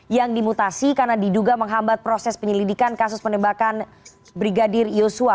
yang dimutasi karena diduga menghambat proses penyelidikan kasus penembakan brigadir yosua